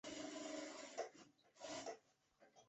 鳄梨油是指用鳄梨果实压榨而成的植物油。